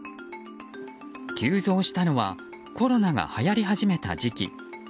急増したのはコロナがはやり始めた時期。